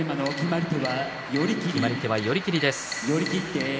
決まり手は寄り切りです。